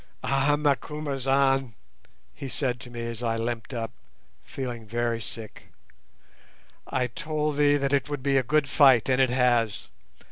"Ah, Macumazahn!" he said to me as I limped up, feeling very sick, "I told thee that it would be a good fight, and it has.